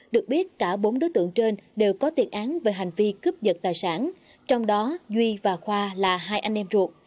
được biết cả bốn đối tượng trên đều có tiền án về hành vi cướp giật tài sản trong đó duy và khoa là hai anh em ruột